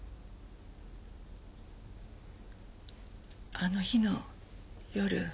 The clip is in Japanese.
あの日の夜。